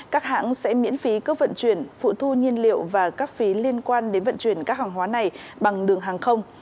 các hãng sẽ miễn phí cước vận chuyển phụ thu nhiên liệu và các phí liên quan đến vận chuyển các hàng hóa này bằng đường hàng không